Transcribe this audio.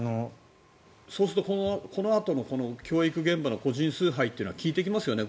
そうすると、このあと教育現場の個人崇拝って効いていきますよね